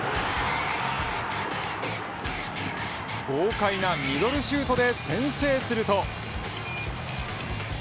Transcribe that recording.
豪快なミドルシュートで先制すると。